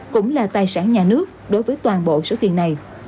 cũng là tài sản nhà nước đối với toàn bộ số tiền này